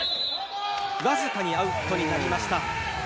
わずかにアウトになりました。